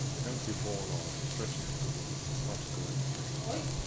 The empty bollards stretching into the distance particularly intrigued him.